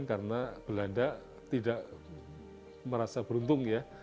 karena belanda tidak merasa beruntung ya